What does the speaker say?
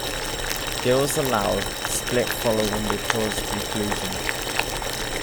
Girls Aloud split following the tour's conclusion.